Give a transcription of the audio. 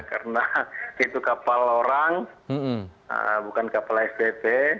karena itu kapal orang bukan kapal sdp